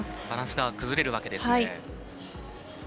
バランスが崩れるわけですね。